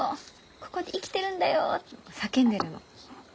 ここで生きてるんだよって叫んでるの。